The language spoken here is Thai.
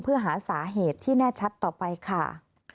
เพื่อหาสาเหตุที่แน่ชัดต่อไปค่ะ